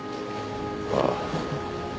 ああ。